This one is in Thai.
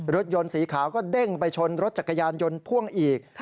รถยนต์สีขาวก็เด้งไปชนรถจักรยานยนต์พ่วงอีก